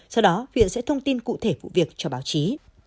sau đó viện sẽ thông tin cụ thể vụ việc cho báo chí